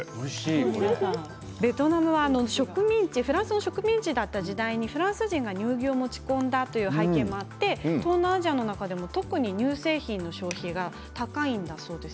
ベトナムはフランスの植民地だった時代にフランス人が乳牛を持ち込んだため東南アジアの中でも特に乳製品の消費が高いんだそうです。